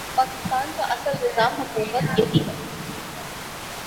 پاکستان کا اصل نظام حکومت یہی ہے۔